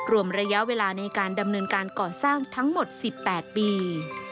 รวมระยะเวลาในการดำเนินการก่อสร้างทั้งหมด๑๘ปี